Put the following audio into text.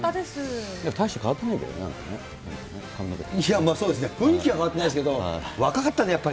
大して変わってないけどな、そうですね、雰囲気は変わってないけど、若かったね、やっぱり。